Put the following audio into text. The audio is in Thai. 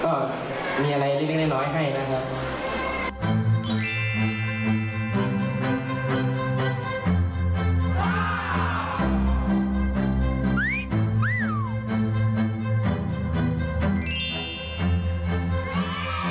ก็มีอะไรเล็กน้อยให้นะครับ